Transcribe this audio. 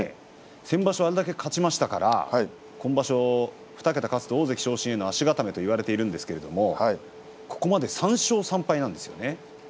先場所あれだけ勝ちましたから今場所２桁勝つと大関昇進の足固めと言われてるんですがここまで３勝３敗です。